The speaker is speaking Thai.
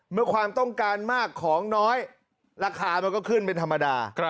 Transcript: ความต้องการมากของน้อยราคามันก็ขึ้นเป็นธรรมดา